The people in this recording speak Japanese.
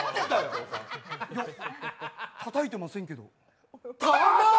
いや、たたいてませんけど？